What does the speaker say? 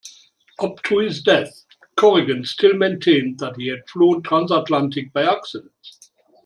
Up to his death, Corrigan still maintained that he had flown transatlantic by accident.